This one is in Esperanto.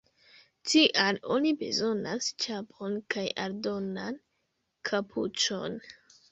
Tial oni bezonas ĉapon kaj aldonan kapuĉon.